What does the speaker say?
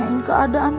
dia udah nanya